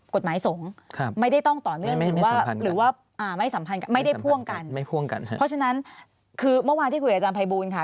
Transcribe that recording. กฎหมายโสงไม่ได้ต้องต่อเนื่องว่าไม่ได้พ่วงกันเพราะฉะนั้นคือเมื่อวานที่คุยกับอาจารย์ไพบูลค่ะ